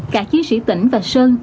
cả chiến sĩ tỉnh và sơn